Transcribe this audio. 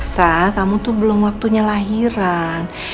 sah kamu tuh belum waktunya lahiran